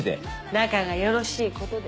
仲がよろしいことで。